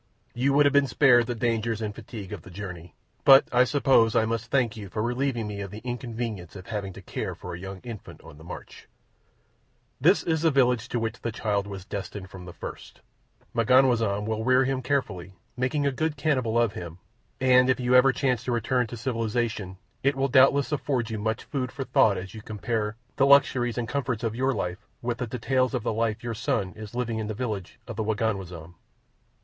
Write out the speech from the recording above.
"You would have been spared the dangers and fatigue of the journey. But I suppose I must thank you for relieving me of the inconvenience of having to care for a young infant on the march. "This is the village to which the child was destined from the first. M'ganwazam will rear him carefully, making a good cannibal of him, and if you ever chance to return to civilization it will doubtless afford you much food for thought as you compare the luxuries and comforts of your life with the details of the life your son is living in the village of the Waganwazam.